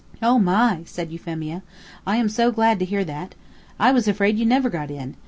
"Oh, my!" said Euphemia, "I am so glad to hear that. I was afraid you never got in.